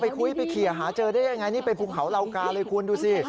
ไปคุยไปเขียวหาเจอได้ยังไงนี่เป็นภูเขาราวกาเลยคุณดูสิ